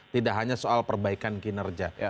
tidak hanya soal perbaikan kinerja